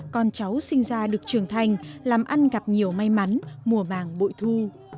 con cháu sinh ra được trưởng thành làm ăn gặp nhiều may mắn mùa màng bội thu